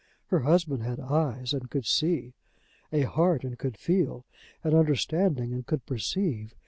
Her husband had eyes, and could see, a heart, and could feel, an understanding, and could perceive.